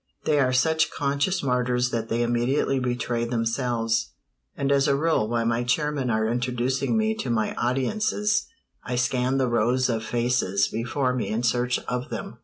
They are such conscious martyrs that they immediately betray themselves, and as a rule while my chairmen are introducing me to my audiences I scan the rows of faces before me in search of them.